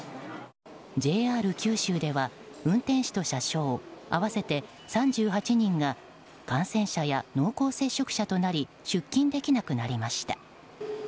ＪＲ九州では運転士と車掌合わせて３８人が感染者や濃厚接触者となり出勤できなくなりました。